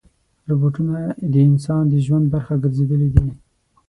روبوټونه د انسان د ژوند برخه ګرځېدلي دي.